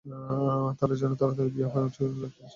তোর যেন তাড়াতাড়ি বিয়ে হয়, আর সুন্দর একটা বাচ্চা হয়।